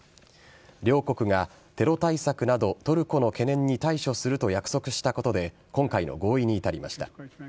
両国がテロ対策などトルコの懸念に対処すると約束したことで今回の合意に至りました。